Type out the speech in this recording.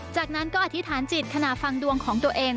จากนั้นก็อธิษฐานจิตขณะฟังดวงของตัวเอง